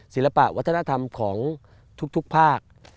ศิลปะวัฒนธรรมของทุกภาค